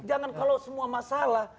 jangan kalau semua masalah